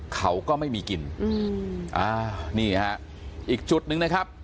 เขาก็ไม่มีกลิ่นอีกจุดหนึ่งนะครับ